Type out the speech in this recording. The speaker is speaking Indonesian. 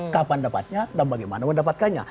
kapan dapatnya dan bagaimana mendapatkannya